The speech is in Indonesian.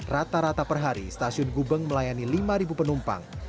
rata rata per hari stasiun gubeng melayani lima penumpang